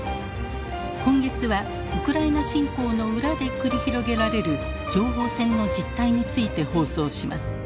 今月はウクライナ侵攻の裏で繰り広げられる情報戦の実態について放送します。